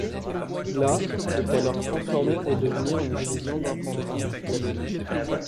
La est alors transformée pour devenir une division d'infanterie classique.